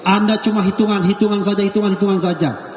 anda cuma hitungan hitungan saja